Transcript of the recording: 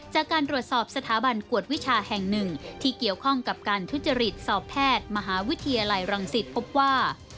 จากการตรวจสอบสถาบันกวดวิชาแห่งหนึ่งที่เกี่ยวข้องกับการทุจริตสอบแพทย์มหาวิทยาลัยรังสิตพบว่า